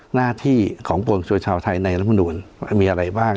หน้าที่ของปวงชนชาวไทยในรัฐมนุนมีอะไรบ้าง